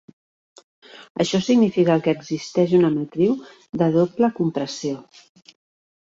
Això significa que existeix una matriu de doble compressió.